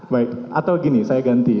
baik atau gini saya ganti